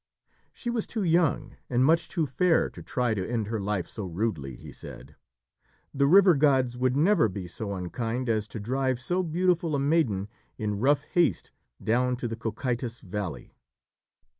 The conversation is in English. She was too young and much too fair to try to end her life so rudely, he said. The river gods would never be so unkind as to drive so beautiful a maiden in rough haste down to the Cocytus valley.